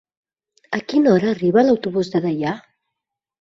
A quina hora arriba l'autobús de Deià?